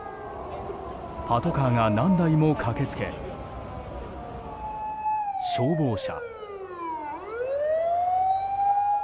パトカーが何台も駆けつけ消防車。